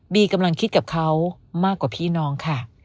กำลังคิดกับเขามากกว่าพี่น้องค่ะ